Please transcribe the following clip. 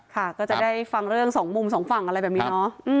ค่ะก็จะได้ฟังเรื่องสองมุมสองฝั่งอะไรแบบนี้เนาะ